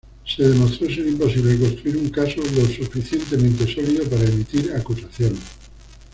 Se demostró ser imposible de construir un caso lo suficientemente sólido para emitir acusaciones.